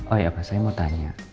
oh ya pak saya mau tanya